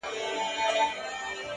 پوه انسان د ناپوهۍ له منلو نه شرمیږي!